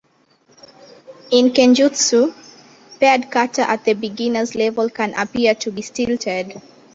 In kenjutsu, paired kata at the beginners level can appear to be stilted.